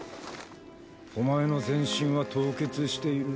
お前の全身は凍結している。